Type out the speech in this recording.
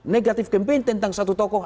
negatif campaign tentang satu tokoh